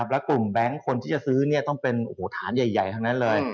และกลุ่มแบงค์คนที่จะซื้อต้องเป็นฐานใหญ่ทั้งนั้นเลย